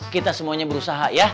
kita semuanya berusaha ya